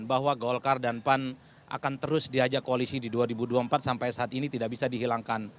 bahwa golkar dan pan akan terus diajak koalisi di dua ribu dua puluh empat sampai saat ini tidak bisa dihilangkan